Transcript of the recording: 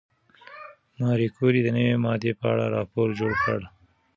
ماري کوري د نوې ماده په اړه راپور جوړ کړ.